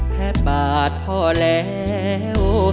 แค่บาทพอแล้ว